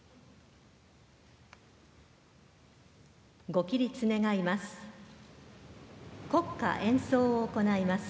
ご起立願います。